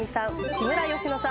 木村佳乃さん。